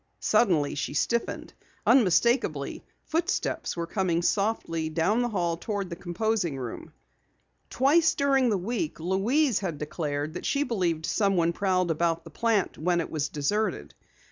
Suddenly she stiffened. Unmistakably, footsteps were coming softly down the hall toward the composing room. Twice during the week Louise had declared that she believed someone prowled about the plant when it was deserted.